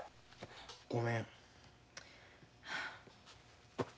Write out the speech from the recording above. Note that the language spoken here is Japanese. ごめん。